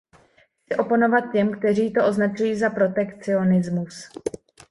Chci oponovat těm, kteří to označují za protekcionismus.